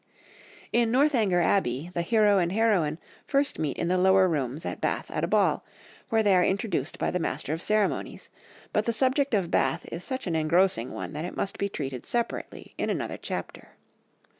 In Northanger Abbey the hero and heroine first meet in the Lower Rooms at Bath at a ball, where they are introduced by the Master of the Ceremonies, but the subject of Bath is such an engrossing one that it must be treated separately in another chapter.